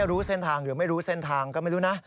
รู้เส้นทางหรือไม่รู้เส้นทางก็ไม่รู้นะ